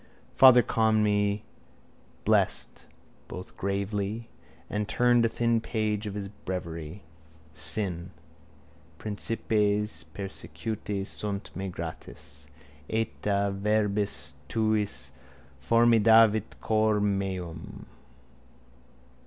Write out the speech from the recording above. Father Conmee blessed both gravely and turned a thin page of his breviary. _Sin: Principes persecuti sunt me gratis: et a verbis tuis formidavit cor meum.